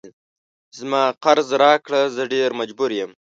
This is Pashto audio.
زما قرض راکړه زه ډیر مجبور یم